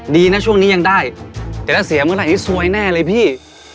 ดีนะช่วงนี้ยังได้แต่ถ้าเสียเมื่อไหร่ซวยแน่เลยพี่